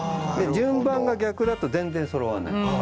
順番が逆だと全然そろわない。